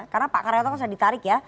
karena pak karyatong sudah ditarik ya